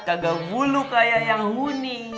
kagak bulu kaya yang huni